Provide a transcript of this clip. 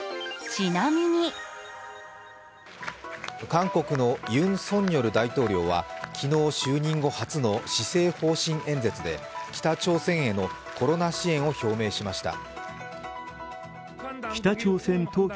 韓国のユン・ソンニョル大統領は昨日就任後初の施政方針演説で北朝鮮へのコロナ支援を表明しました。